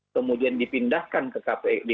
kemudian dipindahkan ke kpk